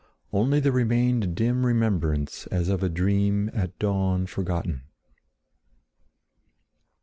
Only there remained a dim remembrance as of a dream at dawn forgotten.